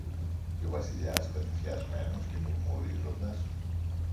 Και ο Βασιλιάς, κατσουφιασμένος και μουρμουρίζοντας